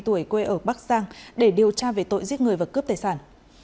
hai mươi tuổi quê ở bắc giang để điều tra về tội giết người và cướp tài sản